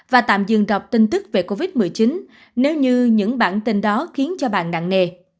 và tạm dừng đọc tin tức về covid một mươi chín nếu như những bản tin đó khiến cho bạn nặng nề